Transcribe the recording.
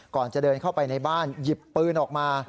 ก่อนจะเดินเข้าไปในบ้านหยิบปืนออกมา